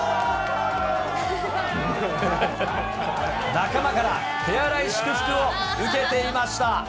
仲間から手荒い祝福を受けていました。